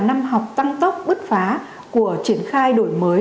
năm học tăng tốc bứt phá của triển khai đổi mới